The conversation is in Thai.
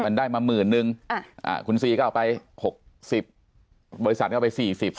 มันได้มาหมื่นนึงคุณซีก็เอาไป๖๐บริษัทก็เอาไป๔๐